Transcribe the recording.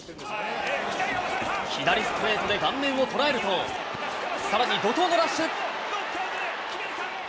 左ストレートで顔面を捉えると、さらに怒とうのラッシュ。